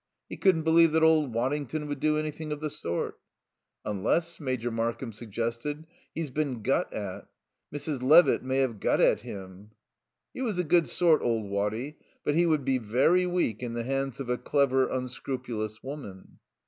He couldn't believe that old Waddington would do anything of the sort. "Unless," Major Markham suggested, "he's been got at. Mrs. Levitt may have got at him." He was a good sort, old Waddy, but he would be very weak in the hands of a clever, unscrupulous woman.